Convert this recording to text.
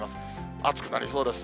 暑くなりそうです。